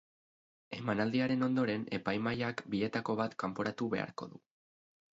Emanaldiaren ondoren, epaimahaiak bietako bat kanporatu beharko du.